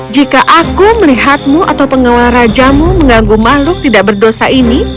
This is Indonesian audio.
jika aku melihatmu atau pengawal rajamu mengganggu makhluk tidak berdosa ini